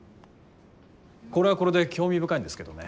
これはこれで興味深いんですけどね。